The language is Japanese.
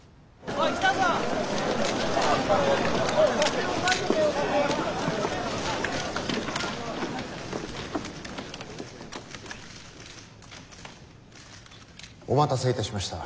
お待たせいたしました。